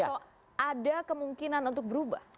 atau ada kemungkinan untuk berubah